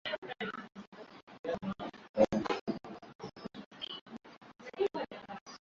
Rangi nyekundu inawakilisha mpiganaji damu au shujaa